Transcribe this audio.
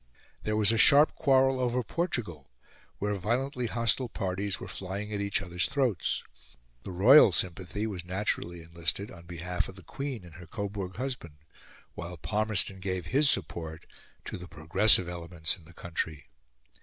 There was a sharp quarrel over Portugal, where violently hostile parties were flying at each other's throats. The royal sympathy was naturally enlisted on behalf of the Queen and her Coburg husband, while Palmerston gave his support to the progressive elements in the country.